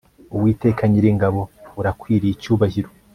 uwiteka nyiringabo urakwiriye icyubahiro